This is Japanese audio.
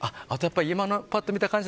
パッと見た感じ